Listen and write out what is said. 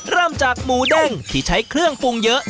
เริ่มจากหมูเด้งที่ใช้เครื่องปรุงเยอะ